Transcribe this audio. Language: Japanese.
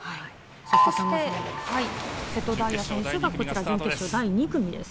そして瀬戸大也選手がこちら、準決勝第２組です。